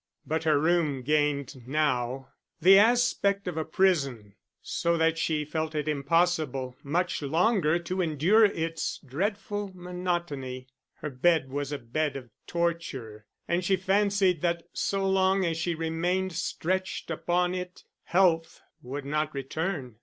But her room gained now the aspect of a prison, so that she felt it impossible much longer to endure its dreadful monotony. Her bed was a bed of torture, and she fancied that so long as she remained stretched upon it, health would not return.